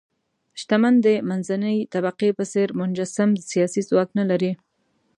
شتمن د منځنۍ طبقې په څېر منسجم سیاسي ځواک نه لري.